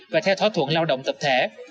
và theo thỏa thuận lao động tập thể